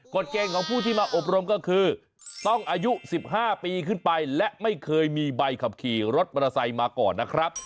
เกณฑ์ของผู้ที่มาอบรมก็คือต้องอายุ๑๕ปีขึ้นไปและไม่เคยมีใบขับขี่รถมอเตอร์ไซค์มาก่อนนะครับ